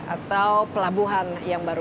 atau pelabuhan yang baru